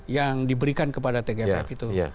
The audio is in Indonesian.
yang diberikan kepada tgpf itu